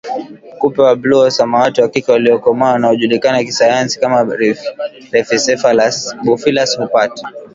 Kupe wa bluu au samawati wa kike waliokomaa wanaojulikana kisayansi kama Rhepicephalus Boophilus hupata